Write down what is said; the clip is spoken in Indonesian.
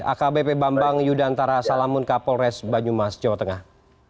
akbp bambang yudhantara salamunka polres banyumas jawa tengah